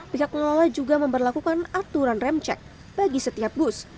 pihak pengelola juga memperlakukan aturan rem cek bagi setiap bus